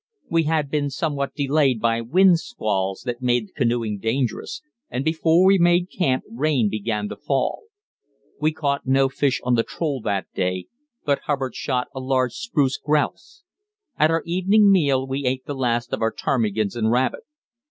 We had been somewhat delayed by wind squalls that made canoeing dangerous, and before we made camp rain began to fall. We caught no fish on the troll that day, but Hubbard shot a large spruce grouse. At our evening meal we ate the last of our ptarmigans and rabbit.